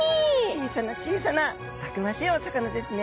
小さな小さなたくましいお魚ですね。